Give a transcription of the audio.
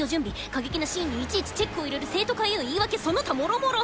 過激なシーンにいちいちチェックを入れる生徒会への言い訳その他もろもろ。